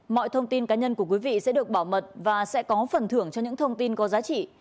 mọi thông tin cá nhân của quý vị sẽ được bảo mật và sẽ có phần thưởng cho những thông tin có giá trị